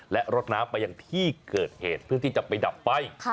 และรถน้ำไปยังที่เกิดเหตุเพื่อที่จะไปดับไฟ